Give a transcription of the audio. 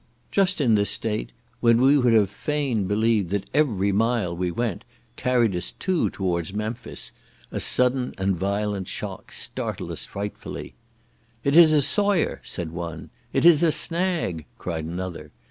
Just in this state, when we would have fain believed that every mile we went, carried us two towards Memphis, a sudden and violent shock startled us frightfully. "It is a sawyer!" said one. "It is a snag!" cried another.